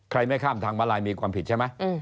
ไม่ข้ามทางมาลายมีความผิดใช่ไหม